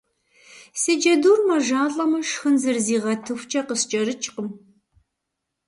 Си джэдур мэжалӏэмэ шхын зыризыгъэтыхукӏэ къыскӏэрыкӏкъым.